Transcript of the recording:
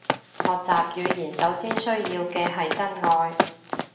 學習語言首先需要嘅係真愛